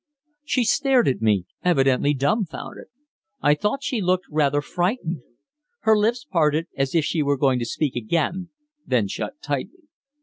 She stared at me, evidently dumbfounded. I thought she looked rather frightened. Her lips parted as if she were going to speak again, then shut tightly.